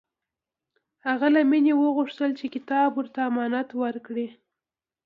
هغه له مینې وغوښتل چې کتاب ورته امانت ورکړي